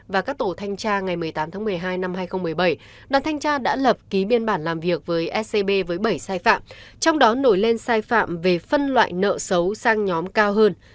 và các tổ thanh tra ngày một mươi tám tháng một mươi hai năm hai nghìn một mươi bảy đoàn thanh tra đã lập ký biên bản làm việc với scb với bảy sai phạm trong đó nổi lên sai phạm về phân loại nợ xấu sang nhóm cao hơn